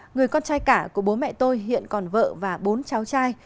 người con trai cả của bố mẹ tôi hiện còn vợ và bốn cháu trai